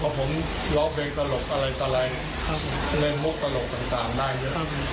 เพราะผมร้องเพลงตลกอะไรตลัยเล่นมุกตลกต่างได้เยอะ